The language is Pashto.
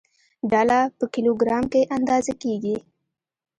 ډله په کیلوګرام کې اندازه کېږي.